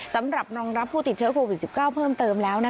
สำหรับรองรับผู้ติดเชื้อโควิด๑๙เพิ่มเติมแล้ว